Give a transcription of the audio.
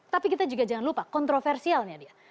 tapi kita juga jangan lupa kontroversialnya dia